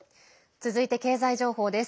続いて経済情報です。